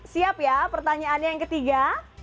siap ya pertanyaannya yang ketiga